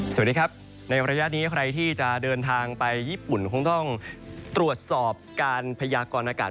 สวัสดีครับในระยะนี้ใครที่จะเดินทางไปญี่ปุ่นคงต้องตรวจสอบการพยากรณากาศ